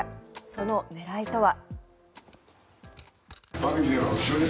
その狙いとは。